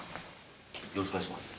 よろしくお願いします。